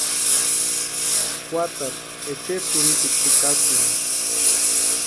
Juatarhu echeri turhipiti jukasïnti.